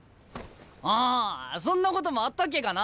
ああそんなこともあったっけかなあ？